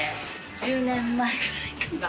１０年前くらいかな？